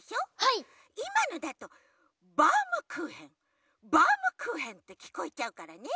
いまのだと「バウムクーヘンバウムクーヘン」ってきこえちゃうからね。